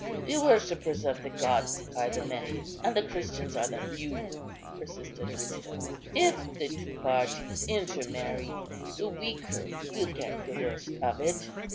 "The worshippers of the gods are the many, and the Christians are the few," persisted Aristo; "if the two parties intermarry, the weaker will get the worst of it.